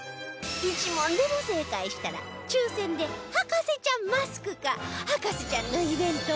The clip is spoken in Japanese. １問でも正解したら抽選で『博士ちゃん』マスクか『博士ちゃん』のイベント